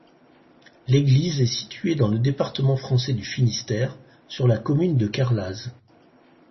L'église est située dans le département français du Finistère, sur la commune de Kerlaz.